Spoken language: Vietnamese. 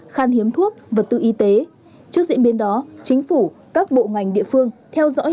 khan hiếm thuốc vật tư y tế trước diễn biến đó chính phủ các bộ ngành địa phương theo dõi